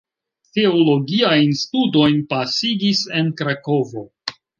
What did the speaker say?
Teologiajn studojn pasigis en Krakovo.